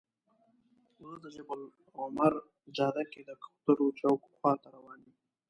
زه د جبل العمر جاده کې د کوترو چوک خواته روان یم.